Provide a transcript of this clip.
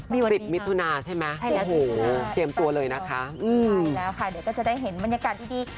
มีวันนี้ค่ะใช่แล้วค่ะเดี๋ยวก็จะได้เห็นบรรยากาศดี